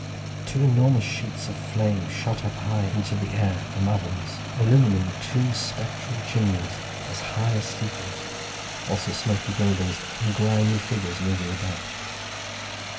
Two enormous sheets of flame shot up high into the air from ovens, illumining two spectral chimneys as high as steeples, also smoky buildings, and grimy figures moving about.